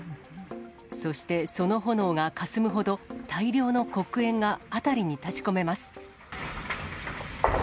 そして、その炎がかすむほど、大量の黒煙が辺りに立ちこめます。